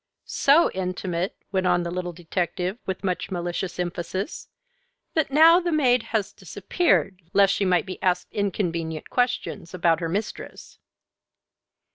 "So intimate," went on the little detective, with much malicious emphasis, "that now the maid has disappeared lest she might be asked inconvenient questions about her mistress."